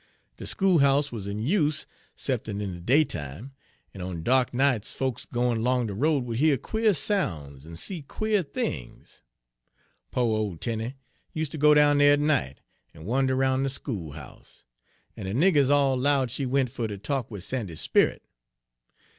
De school'ouse wuz n' use' 'cep'n' in de daytime, en on dark nights folks gwine long de road would hear quare soun's en see quare things. Po' ole Tenie useter go down dere at night, en wander 'roun' de school'ouse; en de niggers all 'lowed she went fer ter talk wid Sandy's sperrit.